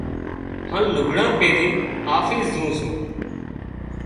هانَ لگھڙان پيرينَ آفس زُون سُون۔